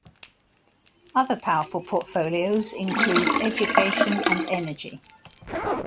Other powerful porfolios include Education and Energy.